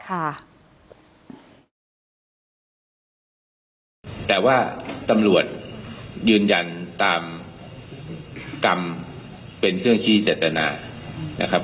แต่ว่าตำรวจยืนยันตามกรรมเป็นเครื่องชี้เจตนานะครับ